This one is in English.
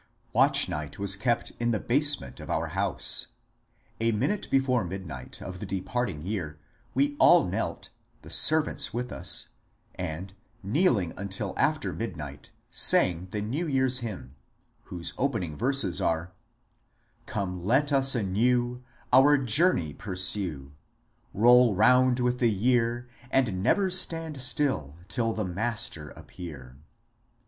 Watch Night was kept in the basement of our house. A minute before midnight of the departing year we all knelt (the servants with us) and, kneeling until after midnight, sang the New Year's hymn, — whose opening verses are Come let tis anew Our jonmej parsue, Roll roand with the year And never stand still till the Master appear.